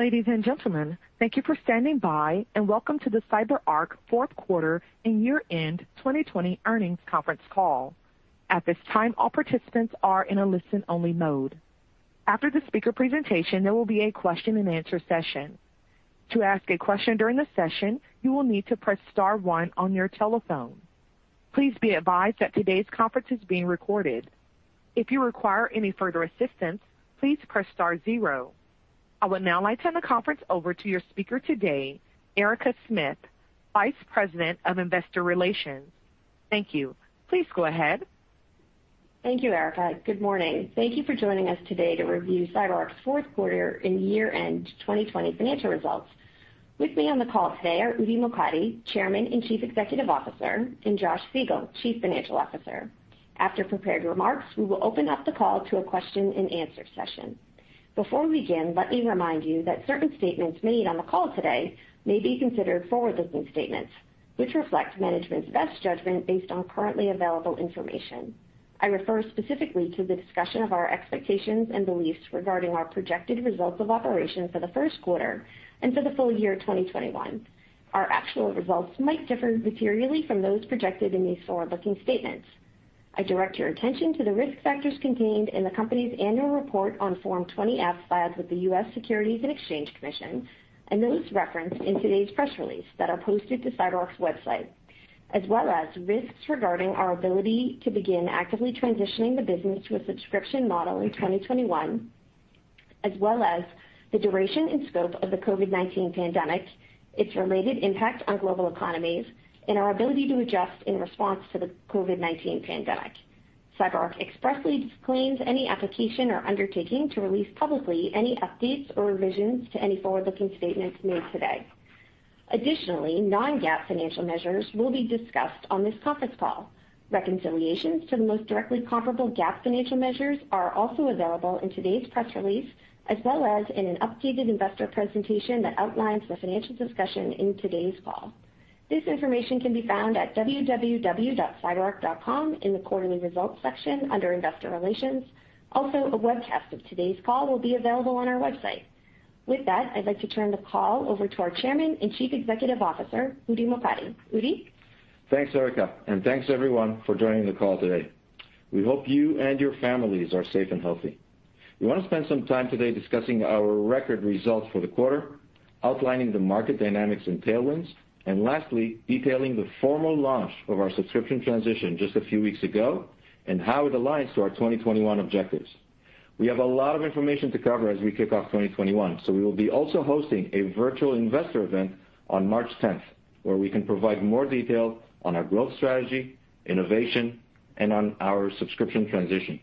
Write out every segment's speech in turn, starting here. Ladies and gentlemen, thank you for standing by, and welcome to the CyberArk fourth quarter and year-end 2020 earnings conference call. At this time, all participants are in a listen-only mode. After the speaker presentation, there will be a question and answer session. To ask a question during the session, you will need to press star one on your telephone. Please be advised that today's conference is being recorded. If you require any further assistance, please press star zero. I would now like to hand the conference over to your speaker today, Erica Smith, Vice President of Investor Relations. Thank you. Please go ahead. Thank you, Erica. Good morning. Thank you for joining us today to review CyberArk's fourth quarter and year-end 2020 financial results. With me on the call today are Udi Mokady, Chairman and Chief Executive Officer, and Josh Siegel, Chief Financial Officer. After prepared remarks, we will open up the call to a question and answer session. Before we begin, let me remind you that certain statements made on the call today may be considered forward-looking statements, which reflect management's best judgment based on currently available information. I refer specifically to the discussion of our expectations and beliefs regarding our projected results of operation for the first quarter and for the full year 2021. Our actual results might differ materially from those projected in these forward-looking statements. I direct your attention to the risk factors contained in the company's annual report on Form 20-F filed with the U.S. Securities and Exchange Commission, and those referenced in today's press release that are posted to CyberArk's website, as well as risks regarding our ability to begin actively transitioning the business to a subscription model in 2021, as well as the duration and scope of the COVID-19 pandemic, its related impact on global economies, and our ability to adjust in response to the COVID-19 pandemic. CyberArk expressly disclaims any application or undertaking to release publicly any updates or revisions to any forward-looking statements made today. Additionally, non-GAAP financial measures will be discussed on this conference call. Reconciliations to the most directly comparable GAAP financial measures are also available in today's press release, as well as in an updated investor presentation that outlines the financial discussion in today's call. This information can be found at www.cyberark.com in the quarterly results section under investor relations. Also, a webcast of today's call will be available on our website. With that, I'd like to turn the call over to our Chairman and Chief Executive Officer, Udi Mokady. Udi? Thanks, Erica, and thanks everyone for joining the call today. We hope you and your families are safe and healthy. We want to spend some time today discussing our record results for the quarter, outlining the market dynamics and tailwinds, and lastly, detailing the formal launch of our subscription transition just a few weeks ago and how it aligns to our 2021 objectives. We have a lot of information to cover as we kick off 2021. We will be also hosting a virtual investor event on March 10th, where we can provide more detail on our growth strategy, innovation, and on our subscription transition.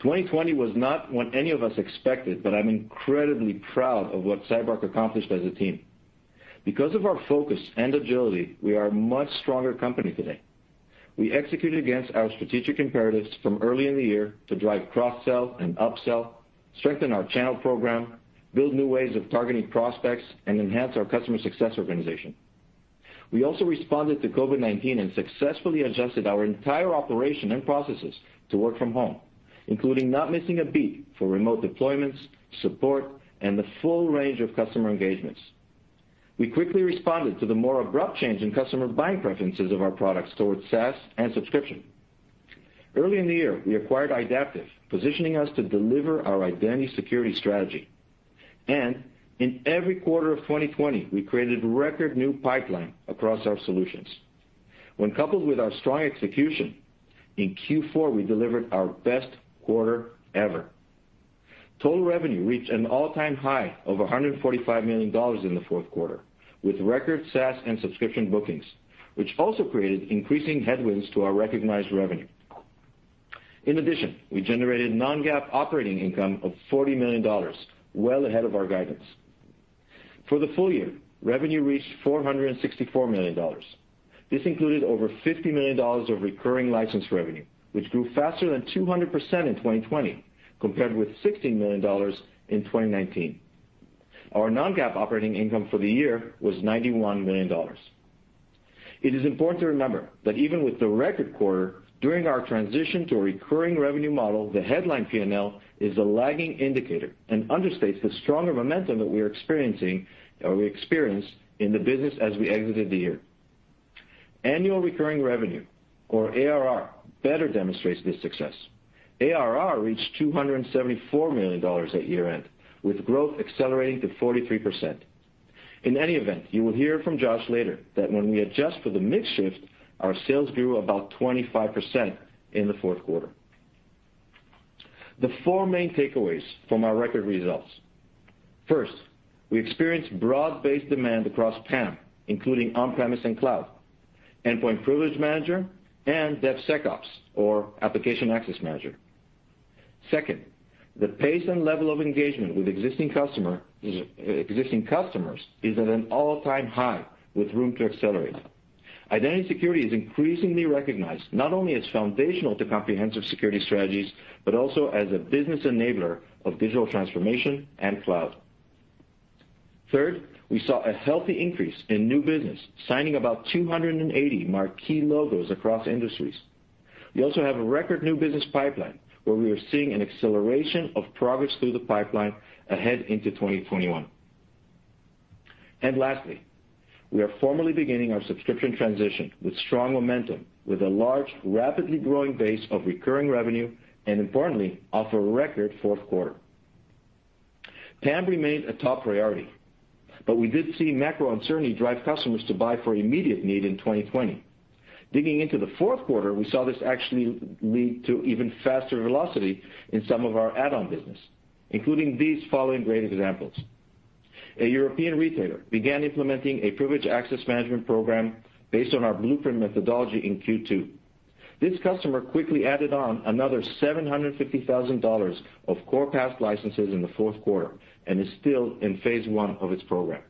2020 was not what any of us expected. I'm incredibly proud of what CyberArk accomplished as a team. Because of our focus and agility, we are a much stronger company today. We executed against our strategic imperatives from early in the year to drive cross-sell and up-sell, strengthen our channel program, build new ways of targeting prospects, and enhance our customer success organization. We also responded to COVID-19 and successfully adjusted our entire operation and processes to work from home, including not missing a beat for remote deployments, support, and the full range of customer engagements. We quickly responded to the more abrupt change in customer buying preferences of our products towards SaaS and subscription. Early in the year, we acquired Idaptive, positioning us to deliver our identity security strategy. In every quarter of 2020, we created record new pipeline across our solutions. When coupled with our strong execution, in Q4, we delivered our best quarter ever. Total revenue reached an all-time high of $145 million in the fourth quarter, with record SaaS and subscription bookings, which also created increasing headwinds to our recognized revenue. We generated non-GAAP operating income of $40 million, well ahead of our guidance. For the full year, revenue reached $464 million. This included over $50 million of recurring license revenue, which grew faster than 200% in 2020 compared with $16 million in 2019. Our non-GAAP operating income for the year was $91 million. It is important to remember that even with the record quarter, during our transition to a recurring revenue model, the headline P&L is a lagging indicator and understates the stronger momentum that we experienced in the business as we exited the year. Annual recurring revenue or ARR better demonstrates this success. ARR reached $274 million at year-end, with growth accelerating to 43%. In any event, you will hear from Josh later that when we adjust for the mix shift, our sales grew about 25% in the fourth quarter. The four main takeaways from our record results. First, we experienced broad-based demand across PAM, including on-premise and cloud, Endpoint Privilege Manager, and DevSecOps or Application Access Manager. Second, the pace and level of engagement with existing customers is at an all-time high with room to accelerate. Identity security is increasingly recognized not only as foundational to comprehensive security strategies, but also as a business enabler of digital transformation and cloud. Third, we saw a healthy increase in new business, signing about 280 marquee logos across industries. We also have a record new business pipeline where we are seeing an acceleration of progress through the pipeline ahead into 2021. Lastly, we are formally beginning our subscription transition with strong momentum, with a large, rapidly growing base of recurring revenue, and importantly, off a record fourth quarter. PAM remained a top priority, but we did see macro uncertainty drive customers to buy for immediate need in 2020. Digging into the fourth quarter, we saw this actually lead to even faster velocity in some of our add-on business, including these following great examples. A European retailer began implementing a privileged access management program based on our blueprint methodology in Q2. This customer quickly added on another $750,000 of Core PAS licenses in the fourth quarter and is still in phase 1 of its program.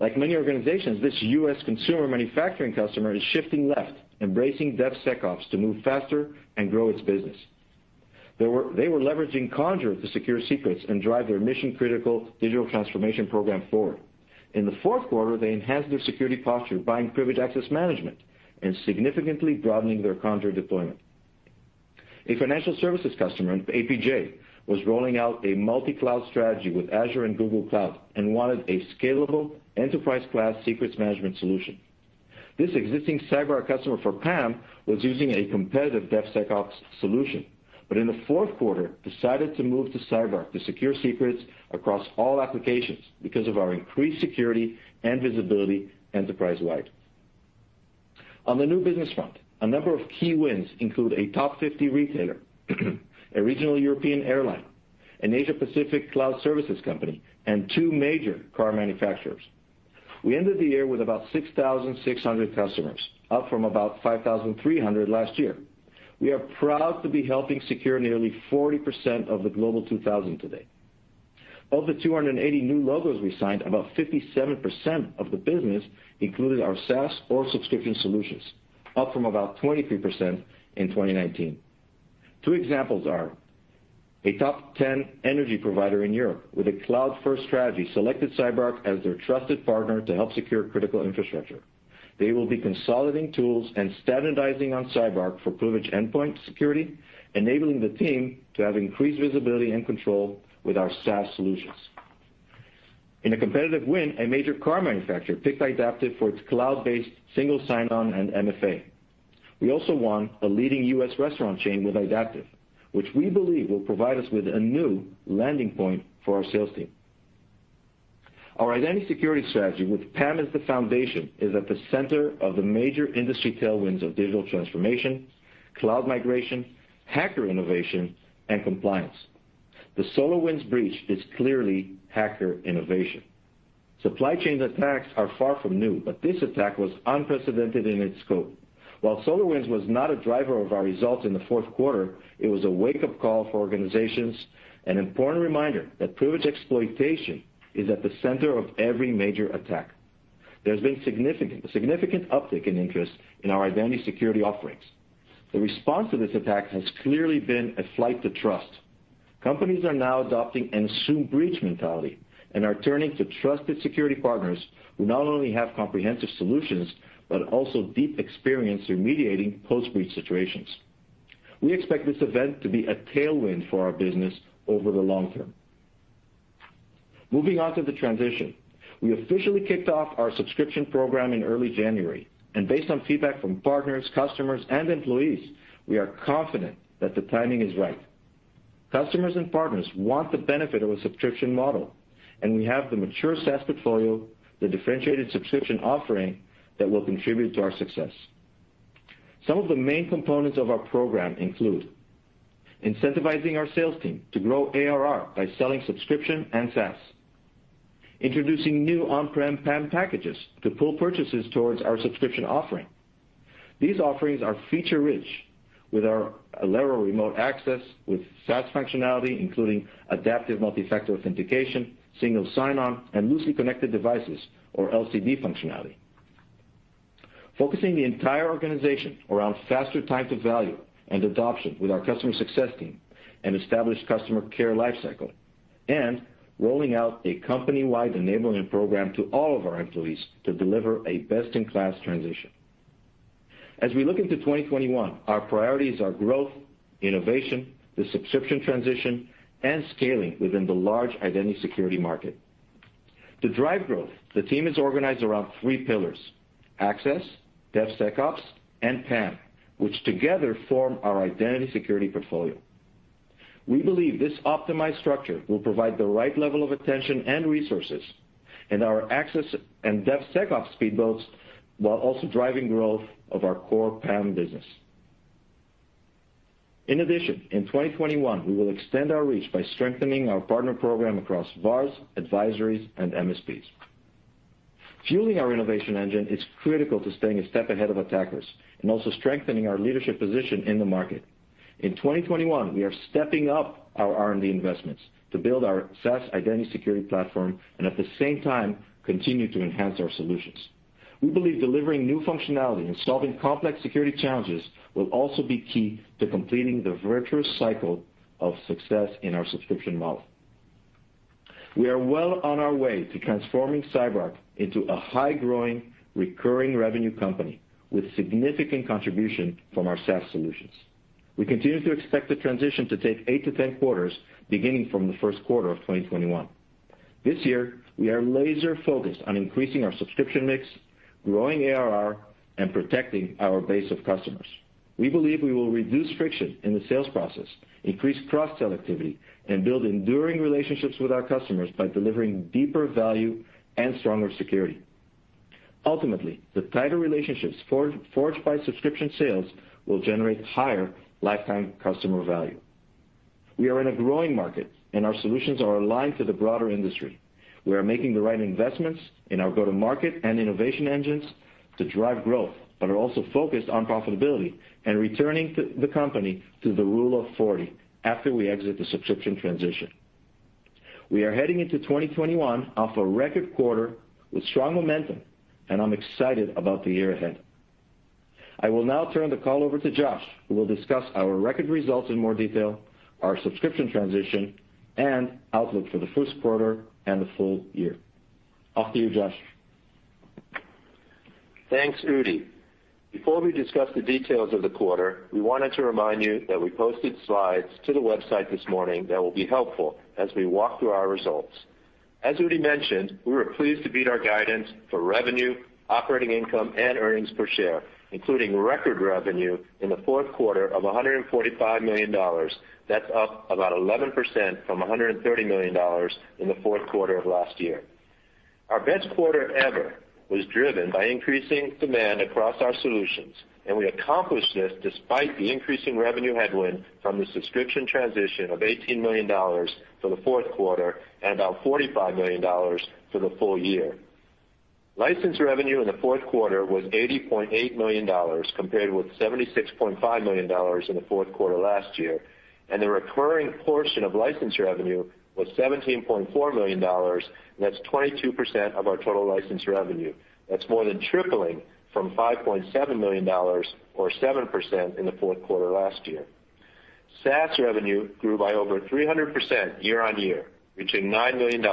Like many organizations, this U.S. consumer manufacturing customer is shifting left, embracing DevSecOps to move faster and grow its business. They were leveraging Conjur to secure secrets and drive their mission-critical digital transformation program forward. In the fourth quarter, they enhanced their security posture by Privileged Access Management and significantly broadening their Conjur deployment. A financial services customer in APJ was rolling out a multi-cloud strategy with Azure and Google Cloud and wanted a scalable enterprise-class secrets management solution. This existing CyberArk customer for PAM was using a competitive DevSecOps solution, but in the fourth quarter, decided to move to CyberArk to secure secrets across all applications because of our increased security and visibility enterprise-wide. On the new business front, a number of key wins include a top 50 retailer, a regional European airline, an Asia Pacific cloud services company, and two major car manufacturers. We ended the year with about 6,600 customers, up from about 5,300 last year. We are proud to be helping secure nearly 40% of the Global 2000 today. Of the 280 new logos we signed, about 57% of the business included our SaaS or subscription solutions, up from about 23% in 2019. Two examples are a top 10 energy provider in Europe with a cloud-first strategy selected CyberArk as their trusted partner to help secure critical infrastructure. They will be consolidating tools and standardizing on CyberArk for privilege endpoint security, enabling the team to have increased visibility and control with our SaaS solutions. In a competitive win, a major car manufacturer picked Idaptive for its cloud-based single sign-on and MFA. We also won a leading U.S. restaurant chain with Idaptive, which we believe will provide us with a new landing point for our sales team. Our identity security strategy, with PAM as the foundation, is at the center of the major industry tailwinds of digital transformation, cloud migration, hacker innovation, and compliance. The SolarWinds breach is clearly hacker innovation. Supply chain attacks are far from new, but this attack was unprecedented in its scope. While SolarWinds was not a driver of our results in the fourth quarter, it was a wake-up call for organizations and important reminder that privilege exploitation is at the center of every major attack. There's been a significant uptick in interest in our identity security offerings. The response to this attack has clearly been a flight to trust. Companies are now adopting an assume breach mentality and are turning to trusted security partners who not only have comprehensive solutions, but also deep experience in remediating post-breach situations. We expect this event to be a tailwind for our business over the long term. Moving on to the transition. We officially kicked off our subscription program in early January, and based on feedback from partners, customers, and employees, we are confident that the timing is right. Customers and partners want the benefit of a subscription model, and we have the mature SaaS portfolio, the differentiated subscription offering that will contribute to our success. Some of the main components of our program include incentivizing our sales team to grow ARR by selling subscription and SaaS. Introducing new on-prem PAM packages to pull purchases towards our subscription offering. These offerings are feature-rich with our Alero remote access with SaaS functionality, including adaptive multi-factor authentication, single sign-on, and loosely connected devices or LCD functionality. Focusing the entire organization around faster time to value and adoption with our customer success team and established customer care lifecycle, and rolling out a company-wide enablement program to all of our employees to deliver a best-in-class transition. As we look into 2021, our priorities are growth, innovation, the subscription transition, and scaling within the large identity security market. To drive growth, the team is organized around three pillars: Access, DevSecOps, and PAM, which together form our identity security portfolio. We believe this optimized structure will provide the right level of attention and resources in our access and DevSecOps speedboats, while also driving growth of our core PAM business. In addition, in 2021, we will extend our reach by strengthening our partner program across VARs, advisories, and MSPs. Fueling our innovation engine is critical to staying a step ahead of attackers and also strengthening our leadership position in the market. In 2021, we are stepping up our R&D investments to build our SaaS identity security platform and at the same time continue to enhance our solutions. We believe delivering new functionality and solving complex security challenges will also be key to completing the virtuous cycle of success in our subscription model. We are well on our way to transforming CyberArk into a high-growing recurring revenue company with significant contribution from our SaaS solutions. We continue to expect the transition to take 8 to 10 quarters, beginning from the first quarter of 2021. This year, we are laser focused on increasing our subscription mix, growing ARR, and protecting our base of customers. We believe we will reduce friction in the sales process, increase cross-sell activity, and build enduring relationships with our customers by delivering deeper value and stronger security. Ultimately, the tighter relationships forged by subscription sales will generate higher lifetime customer value. We are in a growing market, and our solutions are aligned to the broader industry. We are making the right investments in our go-to-market and innovation engines to drive growth, but are also focused on profitability and returning the company to the rule of 40 after we exit the subscription transition. We are heading into 2021 off a record quarter with strong momentum, and I'm excited about the year ahead. I will now turn the call over to Josh, who will discuss our record results in more detail, our subscription transition, and outlook for the first quarter and the full year. Off to you, Josh. Thanks, Udi. Before we discuss the details of the quarter, we wanted to remind you that we posted slides to the website this morning that will be helpful as we walk through our results. As Udi mentioned, we were pleased to beat our guidance for revenue, operating income, and earnings per share, including record revenue in the fourth quarter of $145 million. That's up about 11% from $130 million in the fourth quarter of last year. Our best quarter ever was driven by increasing demand across our solutions, and we accomplished this despite the increasing revenue headwind from the subscription transition of $18 million for the fourth quarter and about $45 million for the full year. License revenue in the fourth quarter was $80.8 million, compared with $76.5 million in the fourth quarter last year, and the recurring portion of license revenue was $17.4 million, and that's 22% of our total license revenue. That's more than tripling from $5.7 million or 7% in the fourth quarter last year. SaaS revenue grew by over 300% year-on-year, reaching $9 million,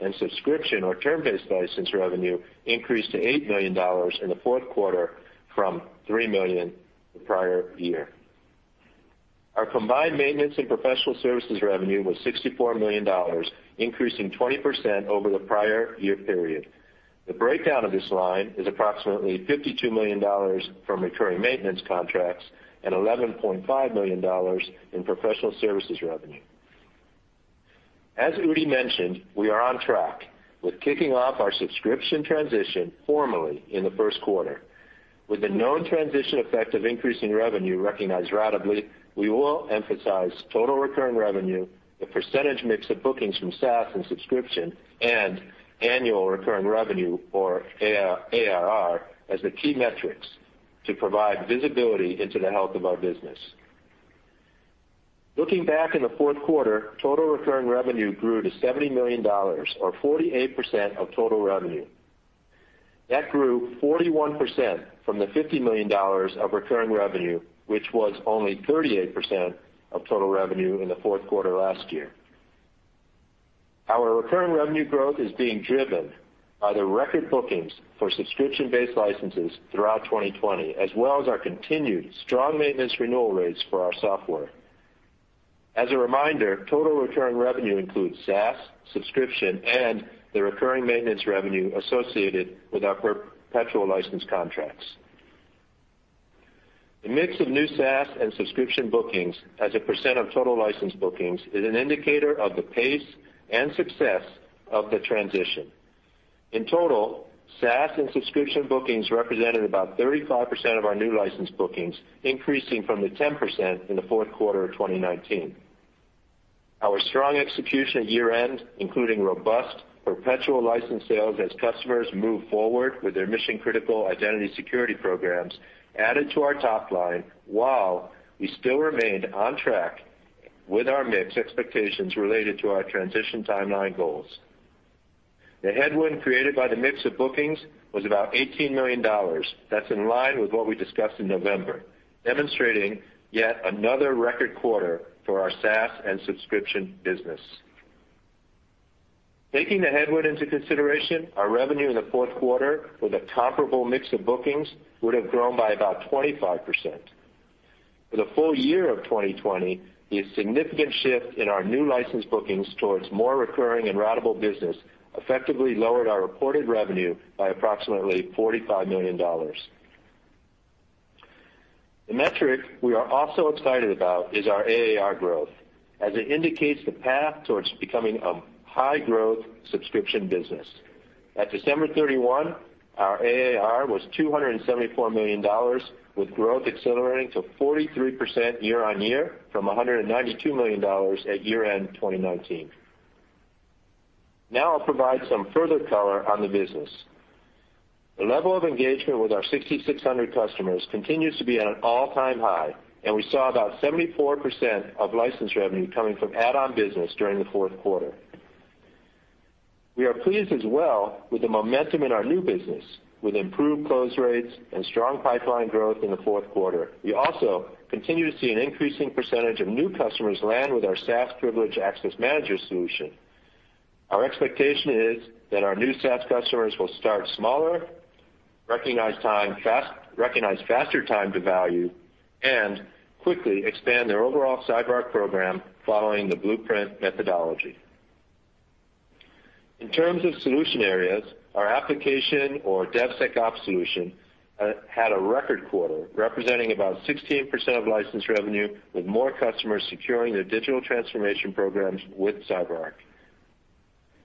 and subscription or term-based license revenue increased to $8 million in the fourth quarter from $3 million the prior year. Our combined maintenance and professional services revenue was $64 million, increasing 20% over the prior year period. The breakdown of this line is approximately $52 million from recurring maintenance contracts and $11.5 million in professional services revenue. As Udi mentioned, we are on track with kicking off our subscription transition formally in the first quarter. With the known transition effect of increasing revenue recognized ratably, we will emphasize total recurring revenue, the percentage mix of bookings from SaaS and subscription, and annual recurring revenue or ARR as the key metrics to provide visibility into the health of our business. Looking back in the fourth quarter, total recurring revenue grew to $70 million or 48% of total revenue. That grew 41% from the $50 million of recurring revenue, which was only 38% of total revenue in the fourth quarter last year. Our recurring revenue growth is being driven by the record bookings for subscription-based licenses throughout 2020, as well as our continued strong maintenance renewal rates for our software. As a reminder, total recurring revenue includes SaaS, subscription, and the recurring maintenance revenue associated with our perpetual license contracts. The mix of new SaaS and subscription bookings as a percent of total license bookings is an indicator of the pace and success of the transition. In total, SaaS and subscription bookings represented about 35% of our new license bookings, increasing from the 10% in the fourth quarter of 2019. Our strong execution at year-end, including robust perpetual license sales as customers move forward with their mission-critical identity security programs, added to our top line while we still remained on track with our mix expectations related to our transition timeline goals. The headwind created by the mix of bookings was about $18 million. That's in line with what we discussed in November, demonstrating yet another record quarter for our SaaS and subscription business. Taking the headwind into consideration, our revenue in the fourth quarter with a comparable mix of bookings would have grown by about 25%. For the full year of 2020, the significant shift in our new license bookings towards more recurring and ratable business effectively lowered our reported revenue by approximately $45 million. The metric we are also excited about is our ARR growth, as it indicates the path towards becoming a high-growth subscription business. At December 31, our ARR was $274 million, with growth accelerating to 43% year-on-year from $192 million at year-end 2019. Now I'll provide some further color on the business. The level of engagement with our 6,600 customers continues to be at an all-time high, and we saw about 74% of license revenue coming from add-on business during the fourth quarter. We are pleased as well with the momentum in our new business, with improved close rates and strong pipeline growth in the fourth quarter. We also continue to see an increasing percentage of new customers land with our SaaS Privileged Access Manager solution. Our expectation is that our new SaaS customers will start smaller, recognize faster time to value, and quickly expand their overall CyberArk program following the blueprint methodology. In terms of solution areas, our application or DevSecOps solution had a record quarter representing about 16% of license revenue, with more customers securing their digital transformation programs with CyberArk.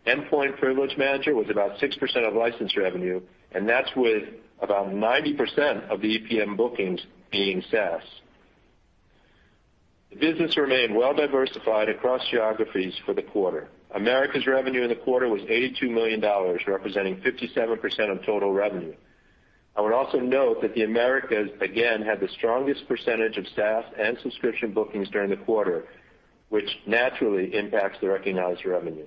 Endpoint Privilege Manager was about 6% of license revenue, and that's with about 90% of the EPM bookings being SaaS. The business remained well-diversified across geographies for the quarter. Americas revenue in the quarter was $82 million, representing 57% of total revenue. I would also note that the Americas, again, had the strongest percentage of SaaS and subscription bookings during the quarter, which naturally impacts the recognized revenue.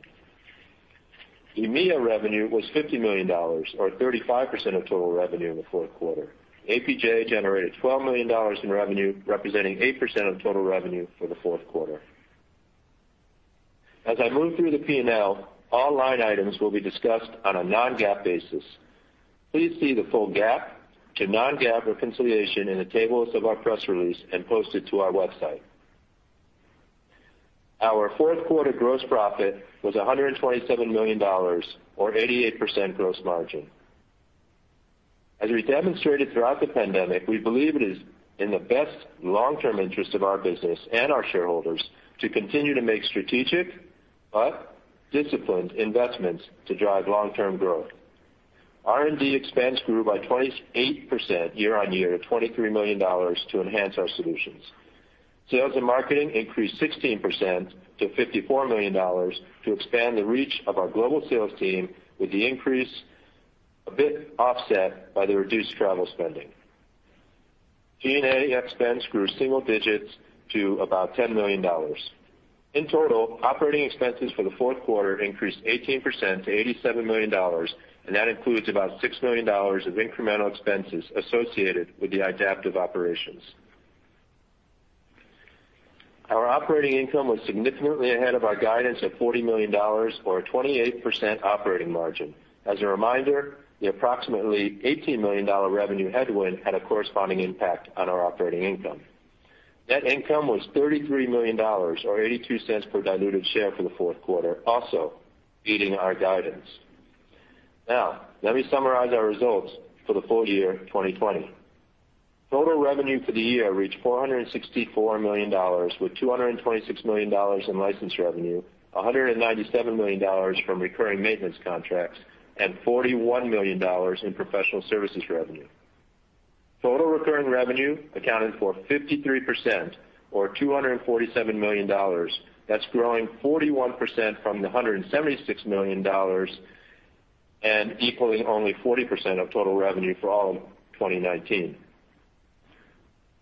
EMEA revenue was $50 million, or 35% of total revenue in the fourth quarter. APJ generated $12 million in revenue, representing 8% of total revenue for the fourth quarter. As I move through the P&L, all line items will be discussed on a non-GAAP basis. Please see the full GAAP to non-GAAP reconciliation in the tables of our press release and posted to our website. Our fourth quarter gross profit was $127 million, or 88% gross margin. As we demonstrated throughout the pandemic, we believe it is in the best long-term interest of our business and our shareholders to continue to make strategic but disciplined investments to drive long-term growth. R&D expense grew by 28% year-on-year to $23 million to enhance our solutions. Sales and marketing increased 16% to $54 million to expand the reach of our global sales team, with the increase a bit offset by the reduced travel spending. G&A expense grew single digits to about $10 million. In total, operating expenses for the fourth quarter increased 18% to $87 million, that includes about $6 million of incremental expenses associated with the Idaptive operations. Our operating income was significantly ahead of our guidance of $40 million, or a 28% operating margin. As a reminder, the approximately $18 million revenue headwind had a corresponding impact on our operating income. Net income was $33 million, or $0.82 per diluted share for the fourth quarter, also beating our guidance. Now, let me summarize our results for the full year 2020. Total revenue for the year reached $464 million, with $226 million in license revenue, $197 million from recurring maintenance contracts, and $41 million in professional services revenue. Total recurring revenue accounted for 53%, or $247 million. That's growing 41% from the $176 million and equaling only 40% of total revenue for all of 2019.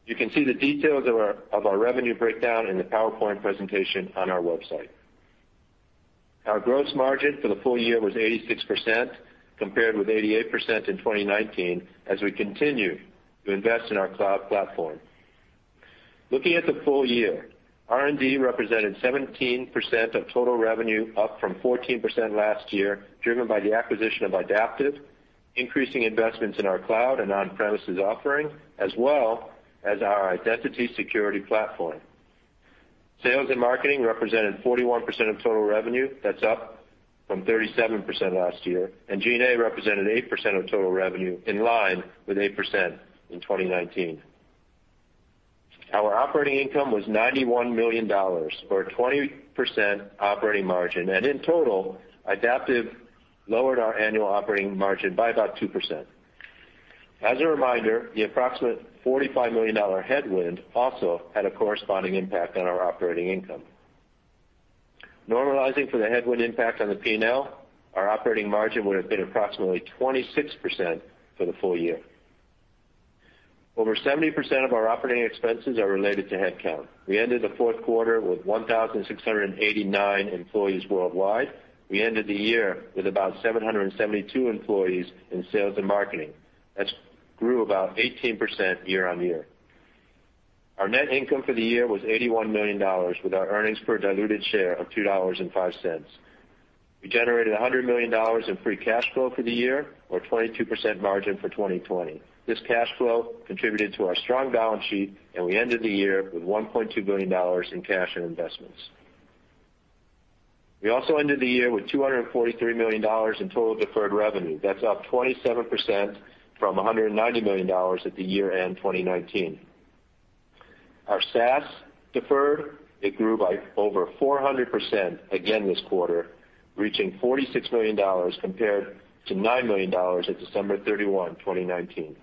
You can see the details of our revenue breakdown in the PowerPoint presentation on our website. Our gross margin for the full year was 86%, compared with 88% in 2019 as we continue to invest in our cloud platform. Looking at the full year, R&D represented 17% of total revenue, up from 14% last year, driven by the acquisition of Idaptive, increasing investments in our cloud and on-premises offering, as well as our identity security platform. Sales and marketing represented 41% of total revenue. That's up from 37% last year. G&A represented 8% of total revenue, in line with 8% in 2019. Our operating income was $91 million, or a 20% operating margin. In total, Idaptive lowered our annual operating margin by about 2%. As a reminder, the approximate $45 million headwind also had a corresponding impact on our operating income. Normalizing for the headwind impact on the P&L, our operating margin would have been approximately 26% for the full year. Over 70% of our operating expenses are related to headcount. We ended the fourth quarter with 1,689 employees worldwide. We ended the year with about 772 employees in sales and marketing. That grew about 18% year-on-year. Our net income for the year was $81 million, with our earnings per diluted share of $2.05. We generated $100 million in free cash flow for the year, or a 22% margin for 2020. This cash flow contributed to our strong balance sheet, and we ended the year with $1.2 billion in cash and investments. We also ended the year with $243 million in total deferred revenue. That's up 27% from $190 million at the year-end 2019. Our SaaS deferred, it grew by over 400% again this quarter, reaching $46 million compared to $9 million at December 31, 2019.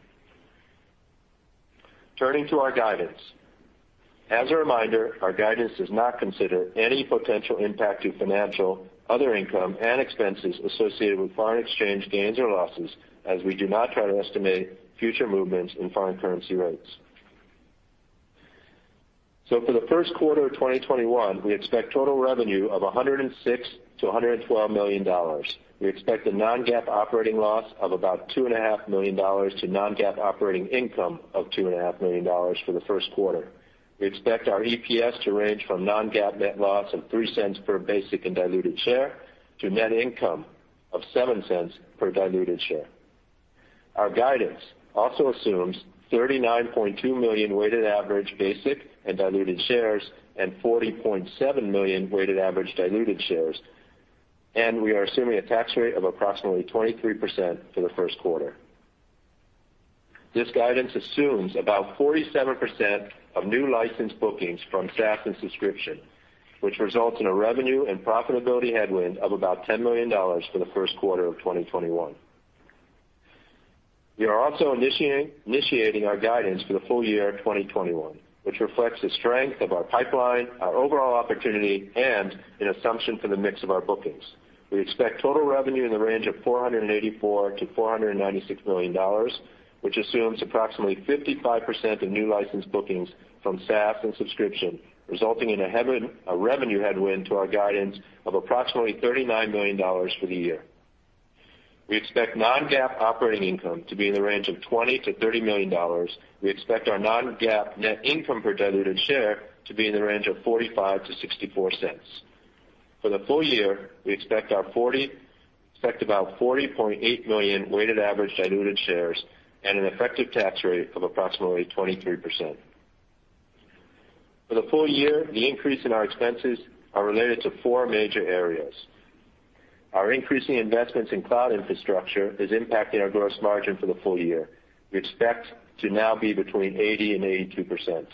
Turning to our guidance. As a reminder, our guidance does not consider any potential impact to financial, other income, and expenses associated with foreign exchange gains or losses, as we do not try to estimate future movements in foreign currency rates. For the first quarter of 2021, we expect total revenue of $106 million-$112 million. We expect a non-GAAP operating loss of about $2.5 million to non-GAAP operating income of $2.5 million for the first quarter. We expect our EPS to range from non-GAAP net loss of $0.03 per basic and diluted share to net income of $0.07 per diluted share. Our guidance also assumes 39.2 million weighted average basic and diluted shares and 40.7 million weighted average diluted shares, and we are assuming a tax rate of approximately 23% for the first quarter. This guidance assumes about 47% of new license bookings from SaaS and subscription, which results in a revenue and profitability headwind of about $10 million for the first quarter of 2021. We are also initiating our guidance for the full year 2021, which reflects the strength of our pipeline, our overall opportunity, and an assumption for the mix of our bookings. We expect total revenue in the range of $484 million-$496 million, which assumes approximately 55% of new license bookings from SaaS and subscription, resulting in a revenue headwind to our guidance of approximately $39 million for the year. We expect non-GAAP operating income to be in the range of $20 million-$30 million. We expect our non-GAAP net income per diluted share to be in the range of $0.45-$0.64. For the full year, we expect about 40.8 million weighted average diluted shares and an effective tax rate of approximately 23%. For the full year, the increase in our expenses are related to four major areas. Our increasing investments in cloud infrastructure is impacting our gross margin for the full year. We expect to now be between 80%-82%.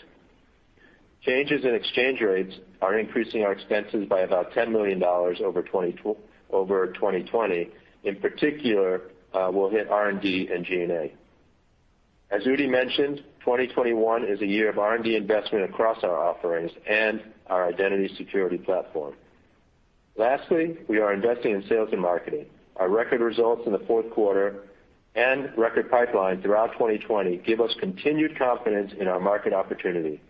Changes in exchange rates are increasing our expenses by about $10 million over 2020. In particular, will hit R&D and G&A. As Udi mentioned, 2021 is a year of R&D investment across our offerings and our identity security platform. Lastly, we are investing in sales and marketing. Our record results in the fourth quarter and record pipeline throughout 2020 give us continued confidence in our market opportunity.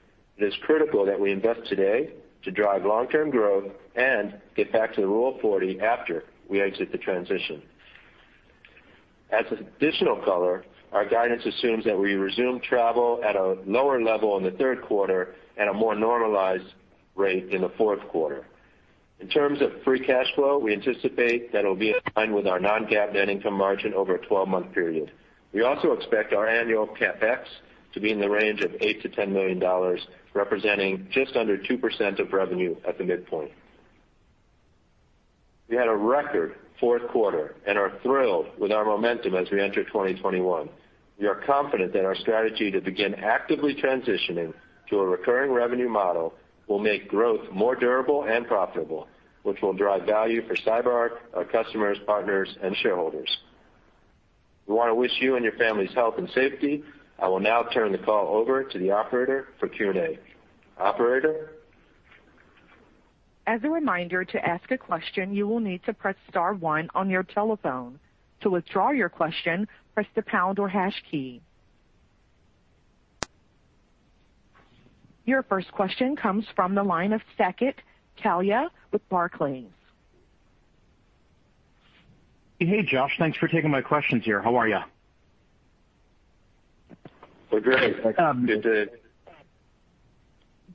It is critical that we invest today to drive long-term growth and get back to the rule of 40 after we exit the transition. As additional color, our guidance assumes that we resume travel at a lower level in the third quarter at a more normalized rate in the fourth quarter. In terms of free cash flow, we anticipate that it'll be in line with our non-GAAP net income margin over a 12-month period. We also expect our annual CapEx to be in the range of $8 million-$10 million, representing just under 2% of revenue at the midpoint. We had a record fourth quarter and are thrilled with our momentum as we enter 2021. We are confident that our strategy to begin actively transitioning to a recurring revenue model will make growth more durable and profitable, which will drive value for CyberArk, our customers, partners, and shareholders. We want to wish you and your families health and safety. I will now turn the call over to the operator for Q&A. Operator? As a reminder, to ask a question you will need to press star one on your telephone. To withdraw your question, press the pound or hash key. Your first question comes from the line of Saket Kalia with Barclays. Hey, Josh. Thanks for taking my questions here. How are you? We're great. Good day.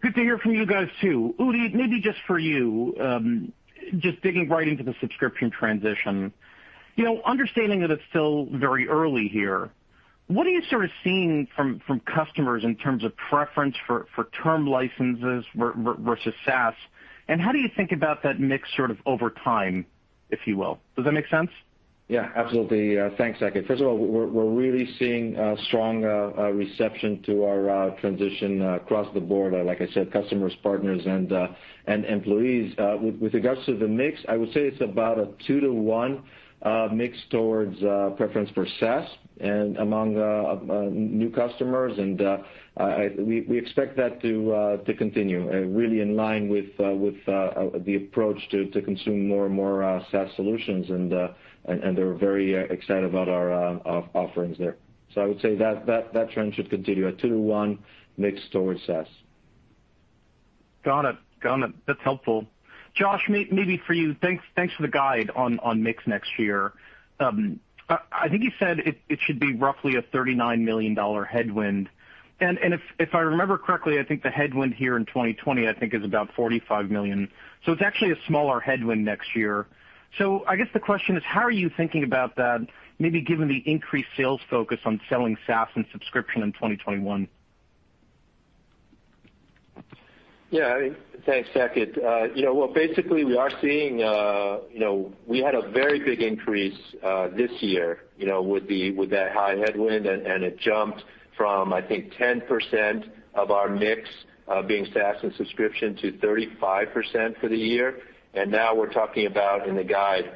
Good to hear from you guys, too. Udi, maybe just for you, just digging right into the subscription transition. Understanding that it's still very early here, what are you sort of seeing from customers in terms of preference for term licenses versus SaaS, and how do you think about that mix sort of over time, if you will? Does that make sense? Yeah, absolutely. Thanks, Saket. First of all, we're really seeing strong reception to our transition across the board. Like I said, customers, partners, and employees. With regards to the mix, I would say it's about a two to one mix towards preference for SaaS and among new customers. We expect that to continue really in line with the approach to consume more and more SaaS solutions. They're very excited about our offerings there. I would say that trend should continue, a two to one mix towards SaaS. Got it. That's helpful. Josh, maybe for you, thanks for the guide on mix next year. I think you said it should be roughly a $39 million headwind. If I remember correctly, the headwind here in 2020 is about $45 million, so it's actually a smaller headwind next year. I guess the question is, how are you thinking about that, maybe given the increased sales focus on selling SaaS and subscription in 2021? Yeah. Thanks, Saket. Well, basically, we had a very big increase this year with that high headwind. It jumped from, I think, 10% of our mix being SaaS and subscription to 35% for the year. Now we're talking about in the guide,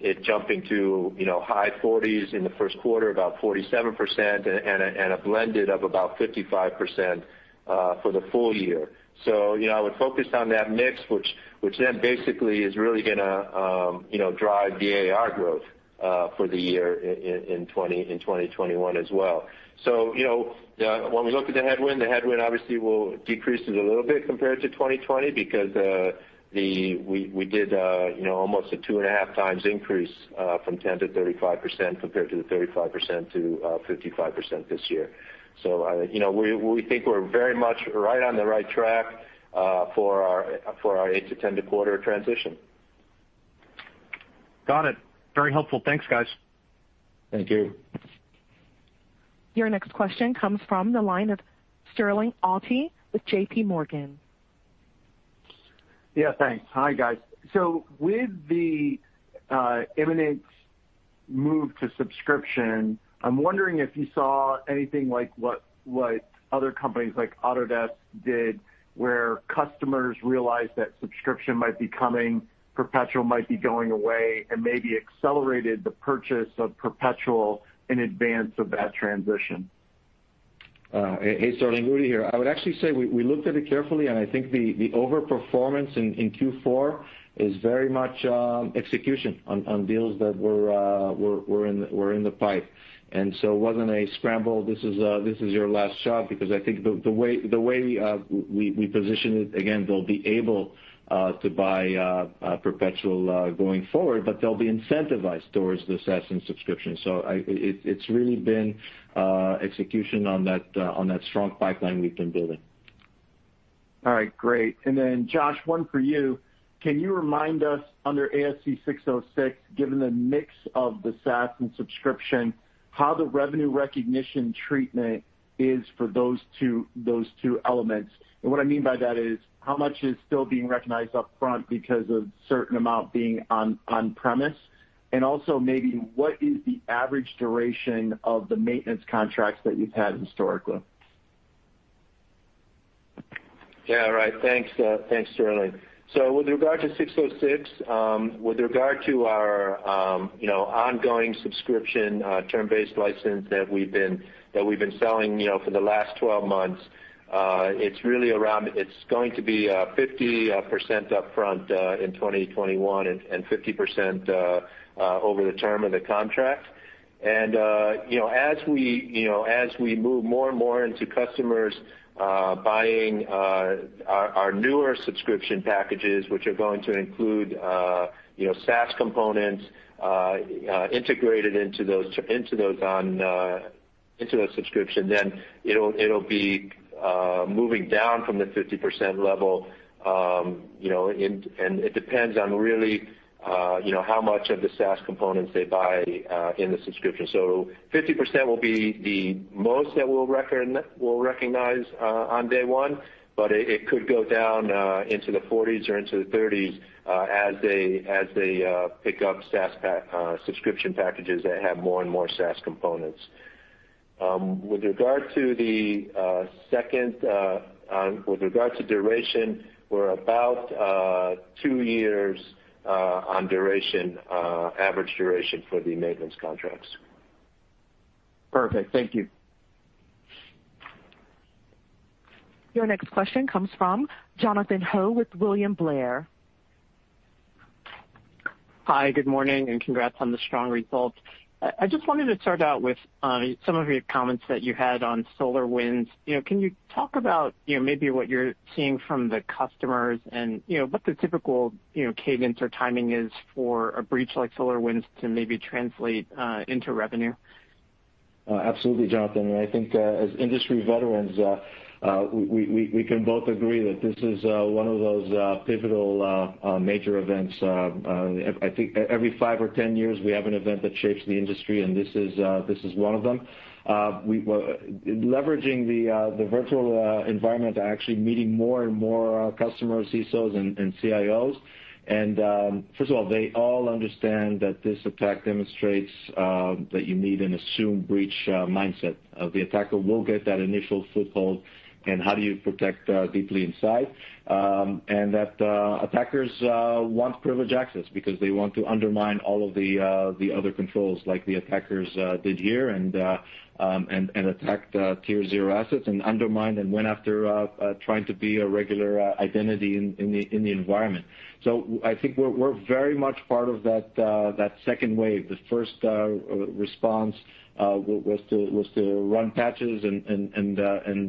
it jumping to high 40s in the first quarter, about 47%, and a blended of about 55% for the full year. I would focus on that mix, which then basically is really going to drive the ARR growth for the year in 2021 as well. When we look at the headwind, the headwind obviously will decrease it a little bit compared to 2020 because we did almost a 2.5x increase from 10%-35%, compared to the 35%-55% this year. We think we're very much right on the right track for our 8-10 quarter transition. Got it. Very helpful. Thanks, guys. Thank you. Your next question comes from the line of Sterling Auty with JPMorgan. Yeah, thanks. Hi, guys. With the imminent move to subscription, I'm wondering if you saw anything like what other companies like Autodesk did, where customers realized that subscription might be coming, perpetual might be going away, and maybe accelerated the purchase of perpetual in advance of that transition. Hey, Sterling, Udi here. I would actually say we looked at it carefully, and I think the over-performance in Q4 is very much execution on deals that were in the pipe. It wasn't a scramble, this is your last shot, because I think the way we position it, again, they'll be able to buy perpetual going forward, but they'll be incentivized towards the SaaS and subscription. It's really been execution on that strong pipeline we've been building. All right, great. Josh, one for you. Can you remind us under ASC 606, given the mix of the SaaS and subscription, how the revenue recognition treatment is for those two elements? What I mean by that is how much is still being recognized upfront because of certain amount being on-premise, and also maybe what is the average duration of the maintenance contracts that you've had historically? Yeah. All right. Thanks, Sterling. With regard to 606, with regard to our ongoing subscription term-based license that we've been selling for the last 12 months, it's going to be 50% upfront in 2021 and 50% over the term of the contract. As we move more and more into customers buying our newer subscription packages, which are going to include SaaS components integrated into those subscription, then it'll be moving down from the 50% level. It depends on really how much of the SaaS components they buy in the subscription. 50% will be the most that we'll recognize on day one, but it could go down into the 40s or into the 30s as they pick up SaaS subscription packages that have more and more SaaS components. With regard to duration, we're about two years on average duration for the maintenance contracts. Perfect. Thank you. Your next question comes from Jonathan Ho with William Blair. Hi, good morning, and congrats on the strong results. I just wanted to start out with some of your comments that you had on SolarWinds. Can you talk about maybe what you're seeing from the customers and what the typical cadence or timing is for a breach like SolarWinds to maybe translate into revenue? Absolutely, Jonathan. I think as industry veterans, we can both agree that this is one of those pivotal major events. I think every five or 10 years, we have an event that shapes the industry, and this is one of them. Leveraging the virtual environment, actually meeting more and more customers, CISOs, and CIOs. First of all, they all understand that this attack demonstrates that you need an assumed breach mindset. The attacker will get that initial foothold, and how do you protect deeply inside? That attackers want privileged access because they want to undermine all of the other controls like the attackers did here and attacked Tier 0 assets and undermined and went after trying to be a regular identity in the environment. I think we're very much part of that second wave. The first response was to run patches and,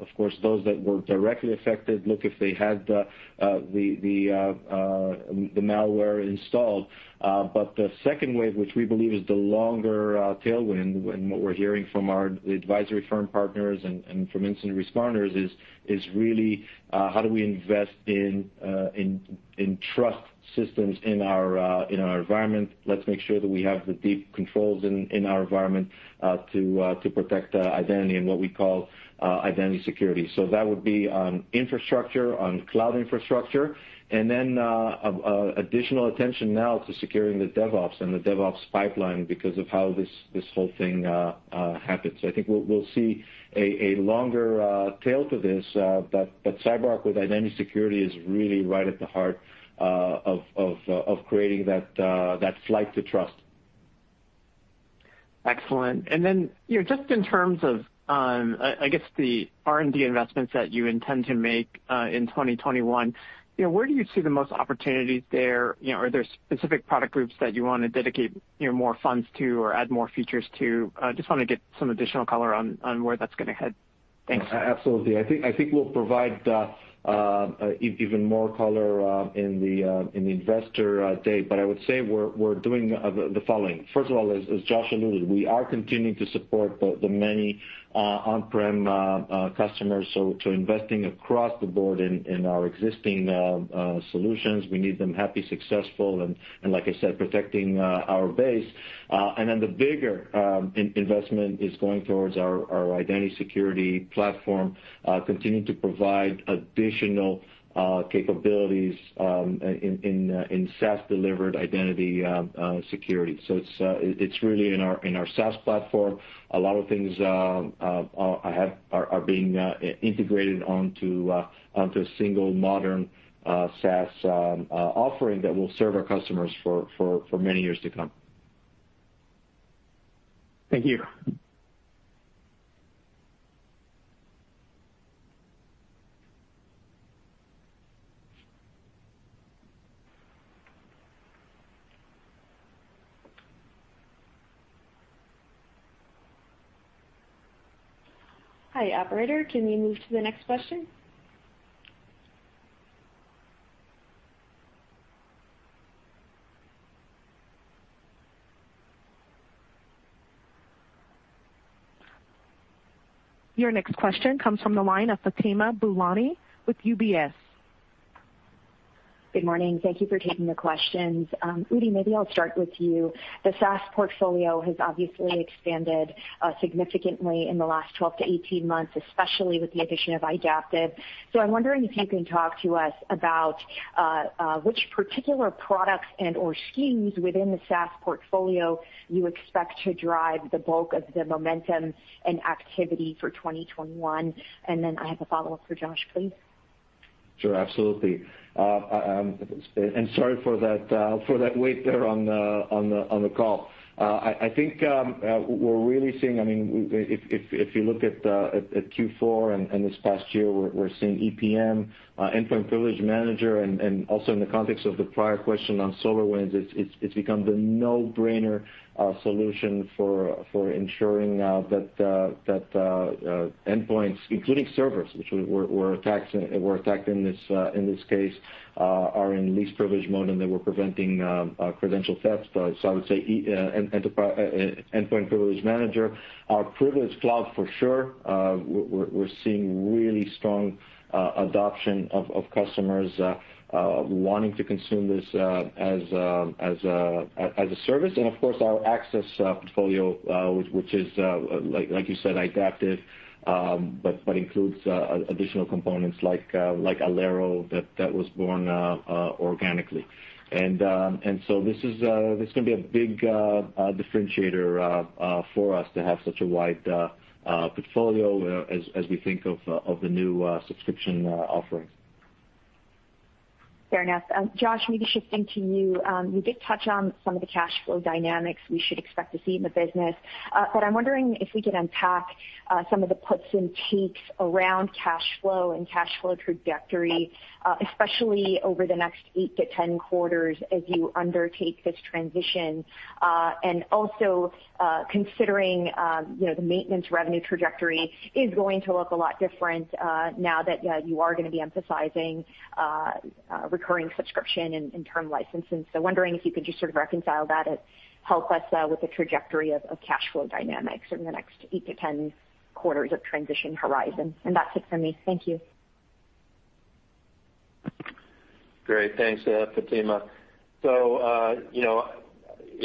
of course, those that were directly affected, look if they had the malware installed. The second wave, which we believe is the longer tailwind when what we're hearing from our advisory firm partners and from incident responders is really how do we invest in trust systems in our environment. Let's make sure that we have the deep controls in our environment to protect identity and what we call identity security. That would be on infrastructure, on cloud infrastructure, and then additional attention now to securing the DevOps and the DevOps pipeline because of how this whole thing happens. I think we'll see a longer tail to this, but CyberArk with identity security is really right at the heart of creating that flight to trust. Excellent. Then just in terms of, I guess, the R&D investments that you intend to make in 2021, where do you see the most opportunities there? Are there specific product groups that you want to dedicate more funds to or add more features to? Just want to get some additional color on where that's going to head. Thanks. Absolutely. I think we'll provide even more color in the investor day. I would say we're doing the following. First of all, as Josh alluded, we are continuing to support the many on-prem customers, so investing across the board in our existing solutions. We need them happy, successful, and like I said, protecting our base. The bigger investment is going towards our identity security platform, continuing to provide additional capabilities in SaaS-delivered identity security. It's really in our SaaS platform. A lot of things are being integrated onto a single modern SaaS offering that will serve our customers for many years to come. Thank you. Hi, operator. Can we move to the next question? Your next question comes from the line of Fatima Boolani with UBS. Good morning. Thank you for taking the questions. Udi, maybe I'll start with you. The SaaS portfolio has obviously expanded significantly in the last 12-18 months, especially with the addition of Idaptive. I'm wondering if you can talk to us about which particular products and/or SKUs within the SaaS portfolio you expect to drive the bulk of the momentum and activity for 2021. I have a follow-up for Josh, please. Sure, absolutely. Sorry for that wait there on the call. I think we're really seeing, if you look at Q4 and this past year, we're seeing EPM, Endpoint Privilege Manager, and also in the context of the prior question on SolarWinds, it's become the no-brainer solution for ensuring that endpoints, including servers, which were attacked in this case, are in least privilege mode and they were preventing credential theft. I would say, Endpoint Privilege Manager. Our Privilege Cloud, for sure. We're seeing really strong adoption of customers wanting to consume this as a service. Of course, our access portfolio, which is, like you said, Idaptive, but includes additional components like Alero that was born organically. This is going to be a big differentiator for us to have such a wide portfolio as we think of the new subscription offering. Fair enough. Josh, maybe shifting to you. You did touch on some of the cash flow dynamics we should expect to see in the business. I'm wondering if we could unpack some of the puts and takes around cash flow and cash flow trajectory, especially over the next 8-10 quarters as you undertake this transition. Also considering the maintenance revenue trajectory is going to look a lot different now that you are going to be emphasizing recurring subscription and term licenses. Wondering if you could just sort of reconcile that and help us with the trajectory of cash flow dynamics in the next 8-10 quarters of transition horizon. That's it for me. Thank you. Great. Thanks, Fatima.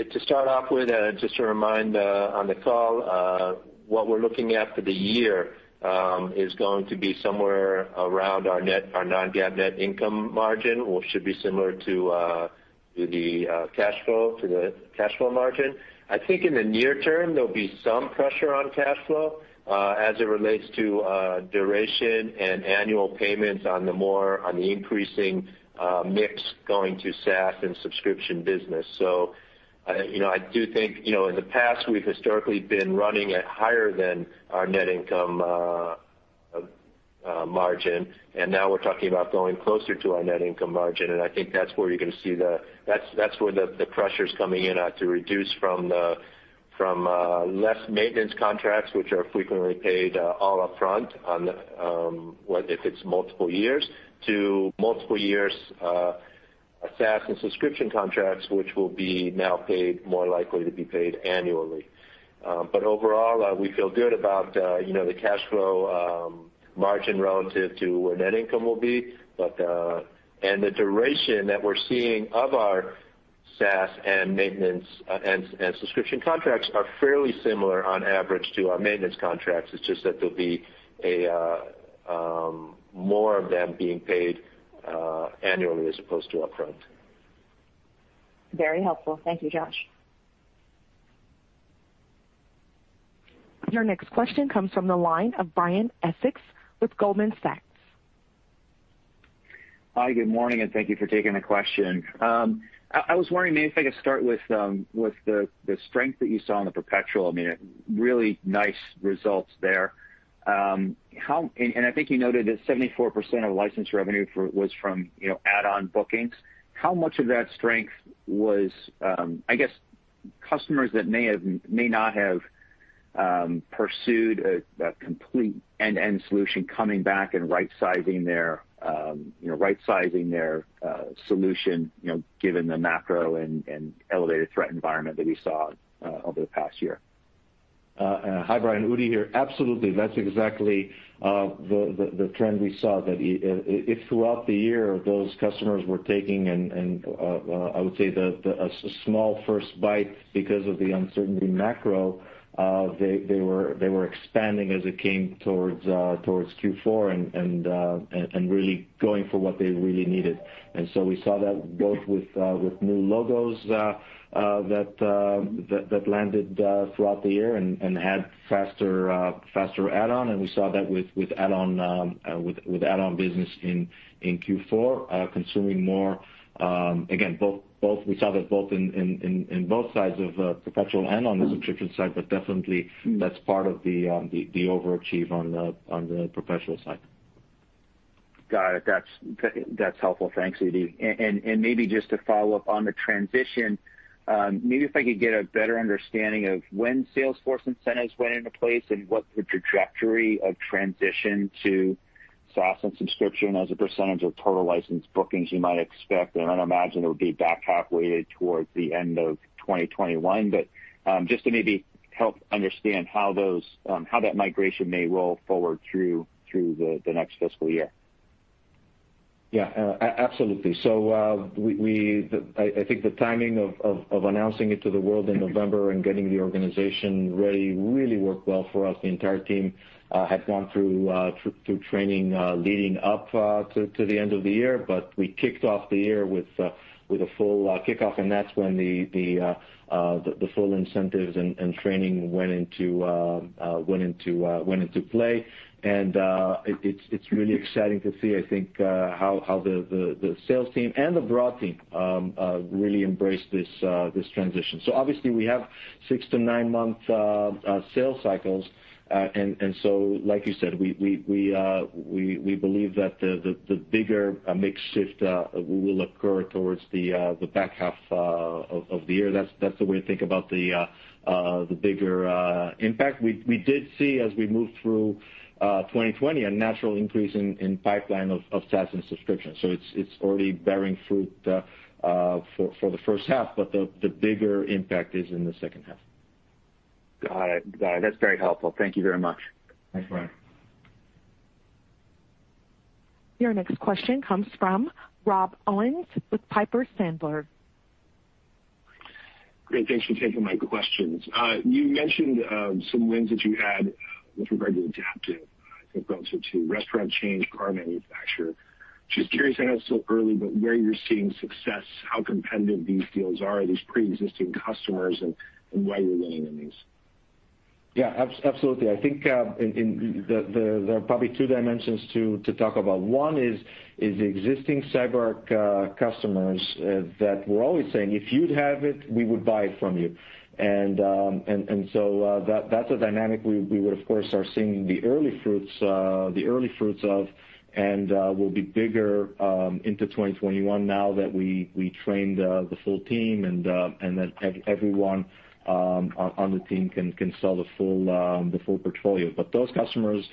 To start off with, just a reminder on the call, what we're looking at for the year is going to be somewhere around our non-GAAP net income margin, which should be similar to the cash flow margin. I think in the near term, there'll be some pressure on cash flow as it relates to duration and annual payments on the increasing mix going to SaaS and subscription business. I do think, in the past, we've historically been running at higher than our net income margin, and now we're talking about going closer to our net income margin. I think that's where the pressure's coming in to reduce from less maintenance contracts, which are frequently paid all upfront, if it's multiple years, to multiple years SaaS and subscription contracts, which will be now more likely to be paid annually. Overall, we feel good about the cash flow margin relative to where net income will be. The duration that we're seeing of our SaaS and subscription contracts are fairly similar on average to our maintenance contracts. It's just that there'll be more of them being paid annually as opposed to upfront. Very helpful. Thank you, Josh. Your next question comes from the line of Brian Essex with Goldman Sachs. Hi, good morning, and thank you for taking the question. I was wondering maybe if I could start with the strength that you saw in the perpetual. Really nice results there. I think you noted that 74% of license revenue was from add-on bookings. How much of that strength was, I guess customers that may not have pursued a complete end-to-end solution coming back and right-sizing their solution, given the macro and elevated threat environment that we saw over the past year? Hi, Brian. Udi here. Absolutely. That's exactly the trend we saw, that if throughout the year those customers were taking, and I would say the small first bite because of the uncertainty in macro, they were expanding as it came towards Q4 and really going for what they really needed. We saw that both with new logos that landed throughout the year and had faster add-on, and we saw that with add-on business in Q4, consuming more. Again, we saw that in both sides of perpetual and on the subscription side, but definitely that's part of the overachieve on the perpetual side. Got it. That's helpful. Thanks, Udi. Maybe just to follow up on the transition, maybe if I could get a better understanding of when Salesforce incentives went into place and what the trajectory of transition to SaaS and subscription as a percent of total licensed bookings you might expect. I'd imagine it would be back half weighted towards the end of 2021. Just to maybe help understand how that migration may roll forward through the next fiscal year. Yeah. Absolutely. I think the timing of announcing it to the world in November and getting the organization ready really worked well for us. We kicked off the year with a full kickoff, and that's when the full incentives and training went into play. It's really exciting to see, I think, how the sales team and the broad team really embraced this transition. Obviously we have six-nine month sales cycles. Like you said, we believe that the bigger mix shift will occur towards the back half of the year. That's the way to think about the bigger impact. We did see, as we moved through 2020, a natural increase in pipeline of SaaS and subscription. It's already bearing fruit for the first half, but the bigger impact is in the second half. Got it. That is very helpful. Thank you very much. Thanks, Brian. Your next question comes from Rob Owens with Piper Sandler. Great. Thanks for taking my questions. You mentioned some wins that you had with regard to Idaptive, I think also to restaurant chains, car manufacturer. Just curious, I know it's still early, but where you're seeing success, how competitive these deals are, these pre-existing customers and why you're winning in these? Yeah. Absolutely. I think there are probably two dimensions to talk about. One is the existing CyberArk customers that were always saying, "If you'd have it, we would buy it from you." That's a dynamic we would, of course, are seeing the early fruits of, and will be bigger into 2021 now that we trained the full team and that everyone on the team can sell the full portfolio. Those customers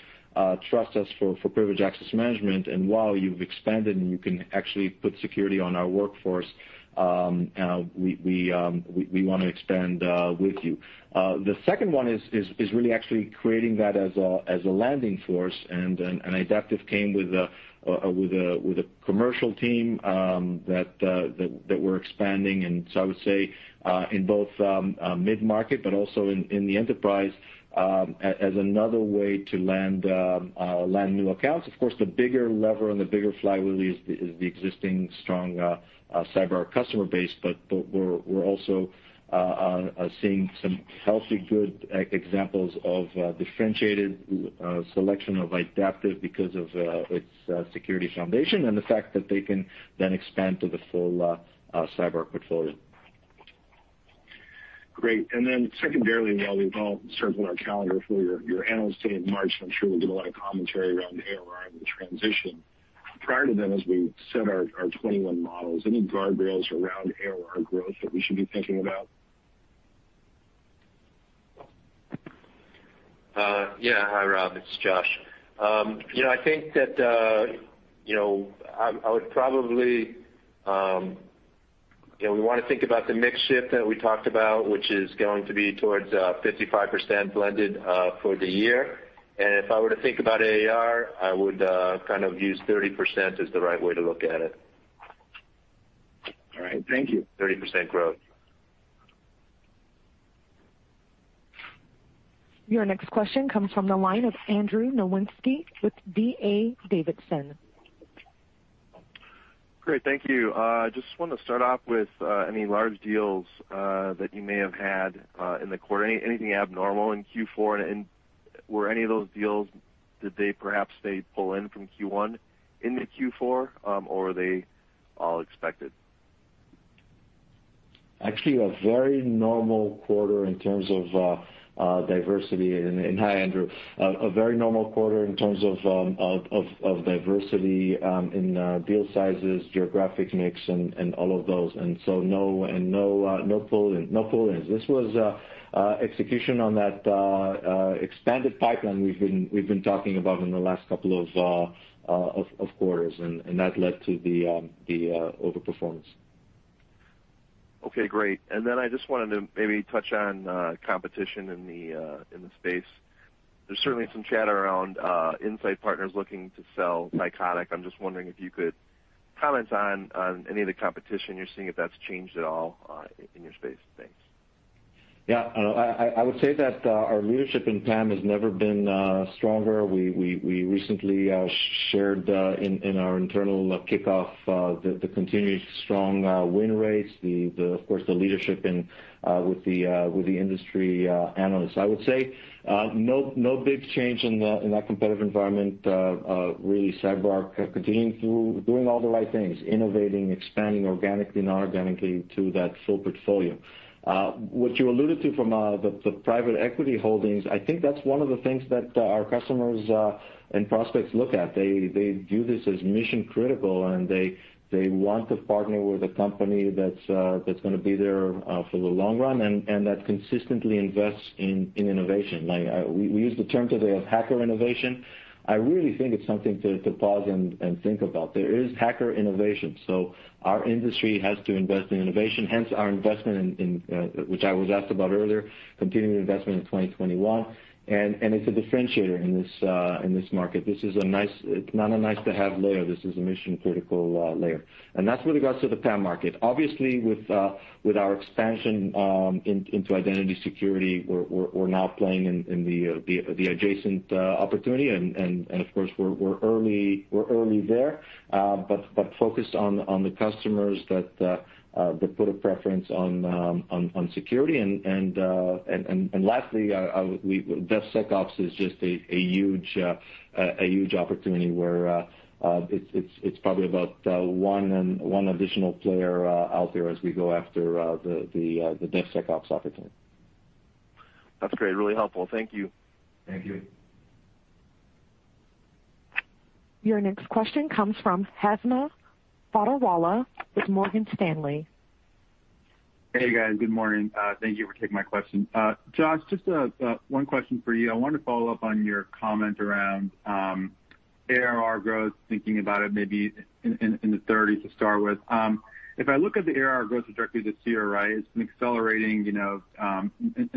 trust us for privileged access management, and while you've expanded and you can actually put security on our workforce, we want to expand with you. The second one is really actually creating that as a landing force, and Idaptive came with a commercial team that we're expanding, I would say in both mid-market but also in the enterprise as another way to land new accounts. Of course, the bigger lever and the bigger flywheel is the existing strong CyberArk customer base. We're also seeing some healthy, good examples of differentiated selection of Idaptive because of its security foundation and the fact that they can then expand to the full CyberArk portfolio. Great. Secondarily, while we've all circled our calendar for your analyst day in March, I'm sure we'll get a lot of commentary around ARR and the transition. Prior to then, as we set our 2021 models, any guardrails around ARR growth that we should be thinking about? Yeah. Hi, Rob. It's Josh. I think that we want to think about the mix shift that we talked about, which is going to be towards 55% blended for the year. If I were to think about ARR, I would use 30% as the right way to look at it. All right. Thank you. 30% growth. Your next question comes from the line of Andrew Nowinski with D.A. Davidson. Great. Thank you. Just wanted to start off with any large deals that you may have had in the quarter. Anything abnormal in Q4? Were any of those deals, did they perhaps stay pull in from Q1 into Q4? Or were they all expected? Actually, a very normal quarter in terms of diversity. Hi, Andrew. A very normal quarter in terms of diversity in deal sizes, geographic mix, and all of those, and no pull-ins. This was execution on that expanded pipeline we've been talking about in the last couple of quarters, and that led to the over-performance. Okay, great. I just wanted to maybe touch on competition in the space. There's certainly some chatter around Insight Partners looking to sell Thycotic. I'm just wondering if you could comment on any of the competition you're seeing, if that's changed at all in your space. Thanks. Yeah. I would say that our leadership in PAM has never been stronger. We recently shared in our internal kickoff the continued strong win rates, of course, the leadership with the industry analysts. I would say, no big change in that competitive environment, really, CyberArk continuing through doing all the right things, innovating, expanding organically, non-organically to that full portfolio. What you alluded to from the private equity holdings, I think that's one of the things that our customers and prospects look at. They view this as mission-critical, and they want to partner with a company that's going to be there for the long run, and that consistently invests in innovation. We use the term today of hacker innovation. I really think it's something to pause and think about. There is hacker innovation, so our industry has to invest in innovation, hence our investment in, which I was asked about earlier, continuing investment in 2021. It's a differentiator in this market. It's not a nice-to-have layer. This is a mission-critical layer. That's with regards to the PAM market. Obviously, with our expansion into identity security, we're now playing in the adjacent opportunity, and of course, we're early there. Focused on the customers that put a preference on security. Lastly, DevSecOps is just a huge opportunity where it's probably about one additional player out there as we go after the DevSecOps opportunity. That's great. Really helpful. Thank you. Thank you. Your next question comes from Hamza Fodderwala with Morgan Stanley. Hey, guys. Good morning. Thank you for taking my question. Josh, just one question for you. I wanted to follow up on your comment around ARR growth, thinking about it maybe in the 30s to start with. If I look at the ARR growth directly this year, it's been accelerating, in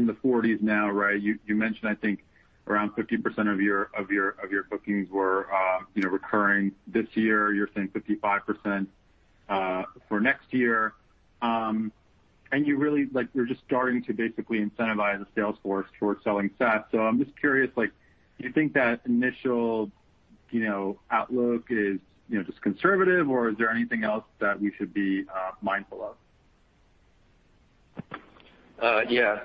the 40s now. You mentioned, I think around 50% of your bookings were recurring this year. You're saying 55% for next year. You're just starting to basically incentivize the sales force toward selling SaaS. I'm just curious, do you think that initial outlook is just conservative, or is there anything else that we should be mindful of? Yeah.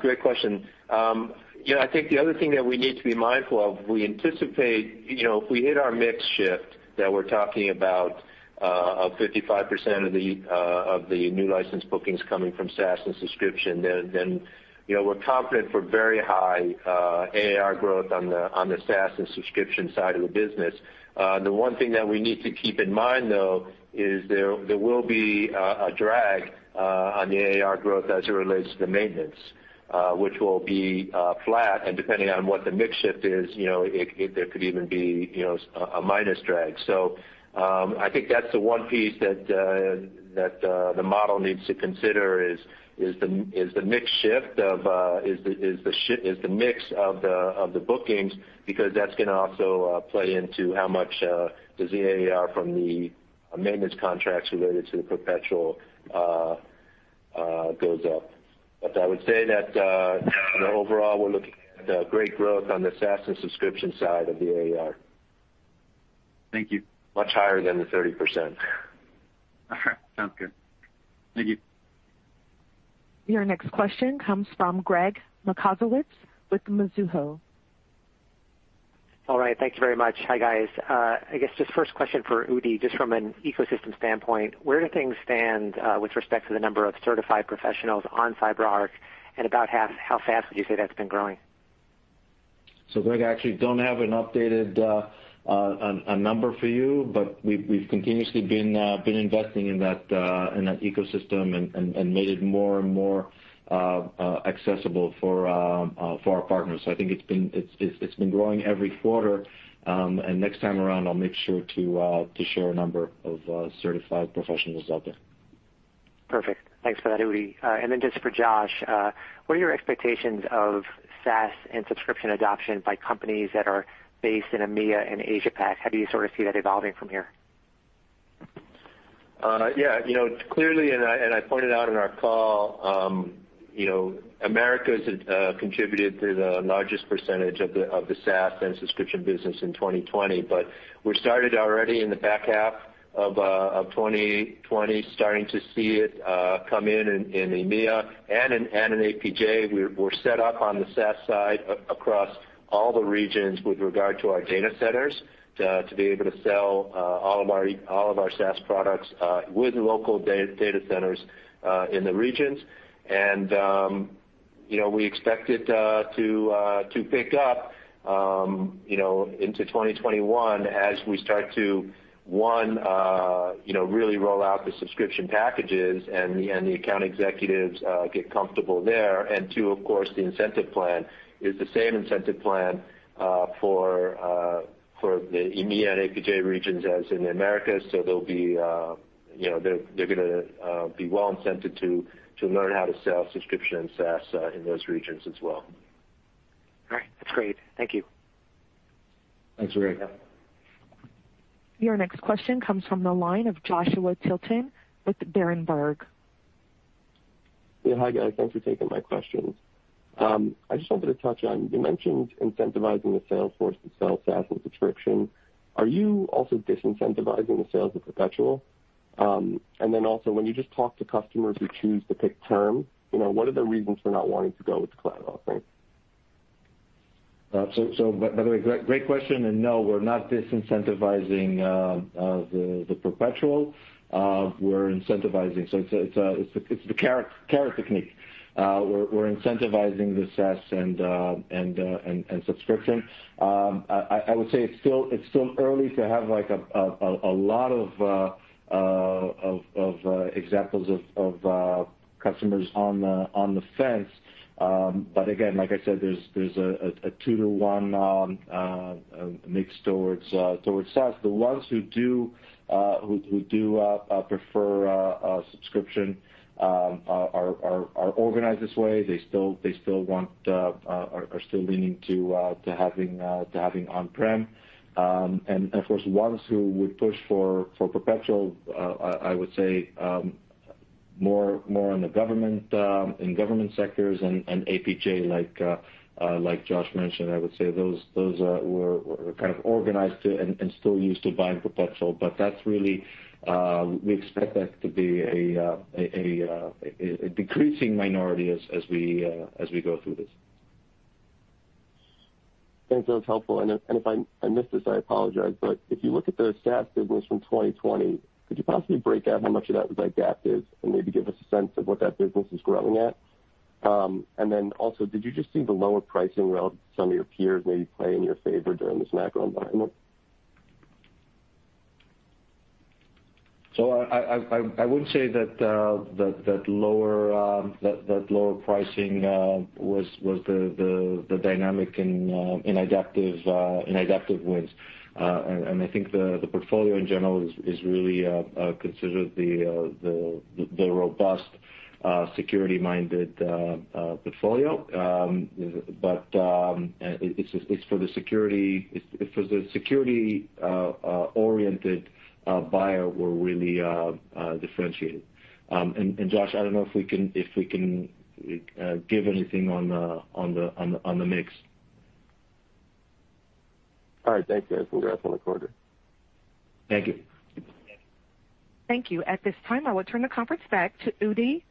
Great question. I think the other thing that we need to be mindful of, we anticipate if we hit our mix shift that we're talking about of 55% of the new license bookings coming from SaaS and subscription, we're confident for very high ARR growth on the SaaS and subscription side of the business. The one thing that we need to keep in mind, though, is there will be a drag on the ARR growth as it relates to the maintenance, which will be flat, and depending on what the mix shift is, there could even be a minus drag. I think that's the one piece that the model needs to consider is the mix of the bookings, because that's going to also play into how much does the ARR from the maintenance contracts related to the perpetual goes up. I would say that overall, we're looking at great growth on the SaaS and subscription side of the ARR. Thank you. Much higher than the 30%. All right. Sounds good. Thank you. Your next question comes from Gregg Moskowitz with Mizuho. All right. Thank you very much. Hi, guys. I guess just first question for Udi, just from an ecosystem standpoint, where do things stand with respect to the number of certified professionals on CyberArk, and about how fast would you say that's been growing? Gregg, I actually don't have an updated number for you, but we've continuously been investing in that ecosystem and made it more and more accessible for our partners. I think it's been growing every quarter. Next time around, I'll make sure to share a number of certified professionals out there. Perfect. Thanks for that, Udi. Just for Josh, what are your expectations of SaaS and subscription adoption by companies that are based in EMEA and Asia Pac? How do you sort of see that evolving from here? Yeah. Clearly, and I pointed out in our call, Americas has contributed to the largest percentage of the SaaS and subscription business in 2020. We started already in the back half of 2020 starting to see it come in in EMEA and in APJ. We're set up on the SaaS side across all the regions with regard to our data centers to be able to sell all of our SaaS products with local data centers in the regions. We expect it to pick up into 2021 as we start to, one, really roll out the subscription packages and the account executives get comfortable there, and two, of course, the incentive plan is the same incentive plan for the EMEA and APJ regions as in the Americas. They're going to be well-incented to learn how to sell subscription and SaaS in those regions as well. All right, that's great. Thank you. Thanks, Gregg. Your next question comes from the line of Joshua Tilton with the Berenberg. Yeah. Hi, guys. Thanks for taking my questions. I just wanted to touch on, you mentioned incentivizing the sales force to sell SaaS and subscription. Are you also disincentivizing the sales of perpetual? When you just talk to customers who choose to pick term, what are the reasons for not wanting to go with the cloud offering? By the way, great question, and no, we're not disincentivizing the perpetual. We're incentivizing. It's the carrot technique. We're incentivizing the SaaS and subscription. I would say it's still early to have a lot of examples of customers on the fence. Again, like I said, there's a two to one mix towards SaaS. The ones who do prefer a subscription are organized this way. They still want or are still leaning to having on-prem. Of course, ones who would push for perpetual, I would say, more in government sectors and APJ, like Josh mentioned, I would say those were kind of organized and still used to buying perpetual. We expect that to be a decreasing minority as we go through this. Thanks. That was helpful. If I missed this, I apologize, but if you look at the SaaS business from 2020, could you possibly break out how much of that was Idaptive and maybe give us a sense of what that business is growing at? Did you just see the lower pricing relative to some of your peers maybe play in your favor during this macro environment? I wouldn't say that lower pricing was the dynamic in Idaptive wins. I think the portfolio in general is really considered the robust, security-minded portfolio. It's for the security-oriented buyer we're really differentiated. Josh, I don't know if we can give anything on the mix. All right. Thanks, guys. We'll wrap on a quarter. Thank you. Thank you. At this time, I will turn the conference back to Udi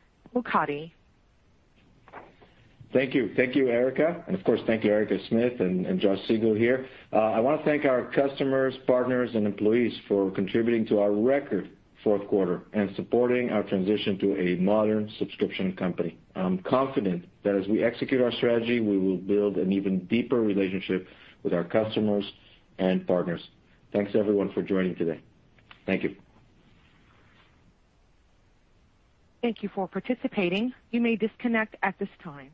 Mokady. Thank you, Erica. Of course, thank you, Erica Smith and Josh Siegel here. I want to thank our customers, partners, and employees for contributing to our record fourth quarter and supporting our transition to a modern subscription company. I'm confident that as we execute our strategy, we will build an even deeper relationship with our customers and partners. Thanks, everyone, for joining today. Thank you. Thank you for participating. You may disconnect at this time.